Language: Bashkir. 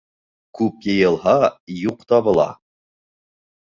Күп йыйылһа юҡ табыла.